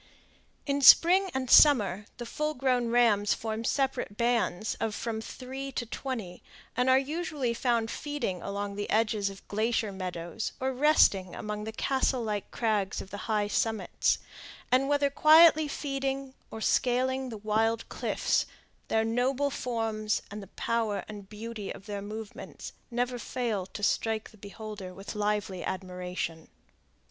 In spring and summer, the full grown rams form separate bands of from three to twenty, and are usually found feeding along the edges of glacier meadows, or resting among the castle like crags of the high summits; and whether quietly feeding, or scaling the wild cliffs, their noble forms and the power and beauty of their movements never fail to strike the beholder with lively admiration.